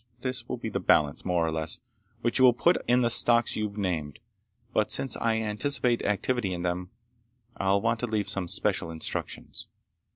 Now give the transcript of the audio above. This will be the balance, more or less, which you will put in the stocks you've named, but since I anticipate activity in them. I'll want to leave some special instructions."